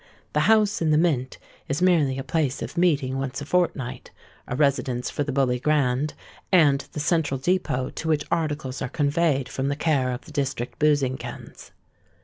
The house in the Mint is merely a place of meeting once a fortnight, a residence for the Bully Grand, and the central depôt to which articles are conveyed from the care of the district boozing kens.